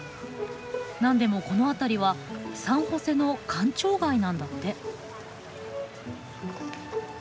何でもこの辺りはサンホセの官庁街なんだって。